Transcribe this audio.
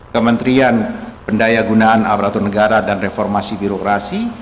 kementerian pendaya gunaan aparatur negara dan reformasi birokrasi